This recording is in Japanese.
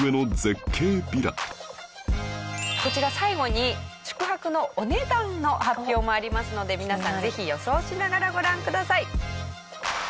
こちら最後に宿泊のお値段の発表もありますので皆さんぜひ予想しながらご覧ください。